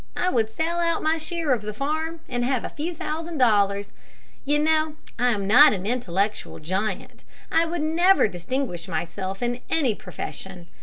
I would sell out my share of the farm, and have a few thousand dollars. You know I am not an intellectual giant. I would never distinguish myself in any profession.